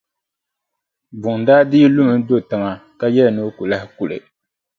Buŋa daa dii lumi n-do tiŋa ka yɛli ni o ku lahi kuli.